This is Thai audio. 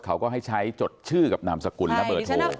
เขาก็ให้ใช้จดชื่อกับนามสกุลและเบอร์โทร